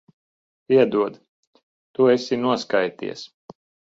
Piedod. Tu esi noskaities.